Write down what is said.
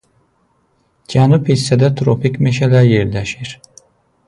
Cənub hissədə tropik meşələr yerləşir.